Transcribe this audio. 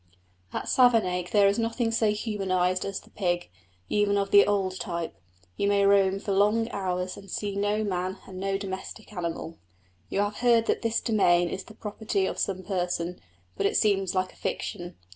At Savernake there is nothing so humanised as the pig, even of the old type; you may roam for long hours and see no man and no domestic animal. You have heard that this domain is the property of some person, but it seems like a fiction.